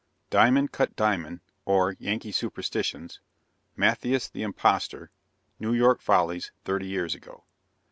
DIAMOND CUT DIAMOND; OR, YANKEE SUPERSTITIONS. MATTHIAS THE IMPOSTOR. NEW YORK FOLLIES THIRTY YEARS AGO.